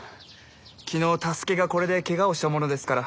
昨日太助がこれでけがをしたものですから。